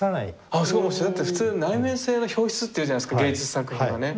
ああだって普通内面性の表出って言うじゃないですか芸術作品はね。